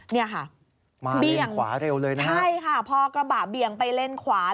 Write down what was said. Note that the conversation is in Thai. นี่ค่ะเปลี่ยงใช่ค่ะพอกระบะเปลี่ยงไปเลนกลาง